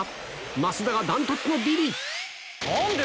増田が断トツのビリ！